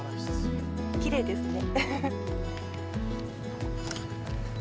きれいですね。